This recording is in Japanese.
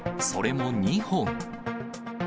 それも２本。